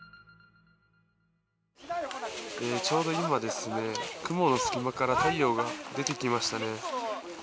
ちょうど今、雲の隙間から太陽が出てきましたね。